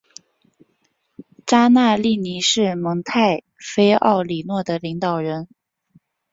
扎纳利尼是蒙泰菲奥里诺的领导人。